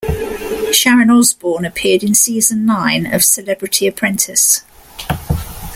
Sharon Osbourne appeared in season nine of "Celebrity Apprentice".